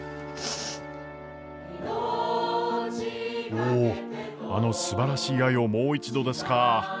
おお「あの素晴しい愛をもう一度」ですか。